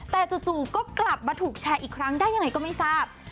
แต่จู่ก็กลับมาถูกแชร์อีกครั้งได้ยังไงก็ไม่ทราบ